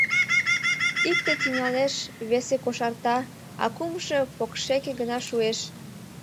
Икте тӱҥалеш, весе кошарта, а кумшо покшеке гына шуэш.